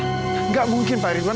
tidak mungkin pak ridwan